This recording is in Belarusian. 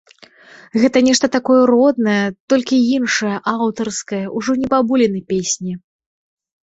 Гэта нешта такое роднае, толькі іншае, аўтарскае, ужо не бабуліны песні.